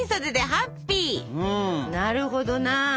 なるほどな。